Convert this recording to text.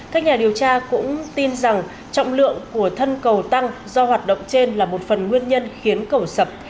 các nhà điều tra cũng tin rằng trọng lượng của thân cầu tăng do hoạt động trên là một phần nguyên nhân khiến cầu sập